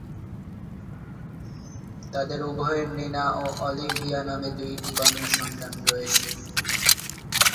তাদের উভয়ের নিনা এবং অলিভিয়া নামে দুটি কন্যাসন্তান রয়েছে।